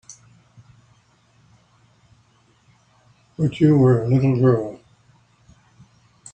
But you were a little girl.